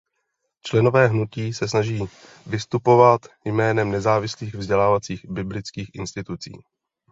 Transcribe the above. Členové hnutí se snaží vystupovat jménem nezávislých vzdělávacích biblických institucí.